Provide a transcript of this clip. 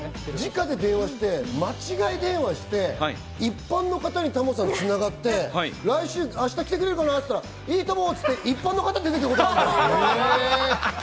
じかで電話して、間違い電話して、一般の方にタモさん繋がって、「明日来てくれるかな？」って言ったら、「いいとも！」っつって、一般の方が出てきたことあんだよ。